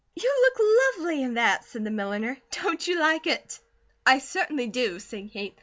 "You look lovely in that," said the milliner. "Don't you like it?" "I certainly do," said Kate.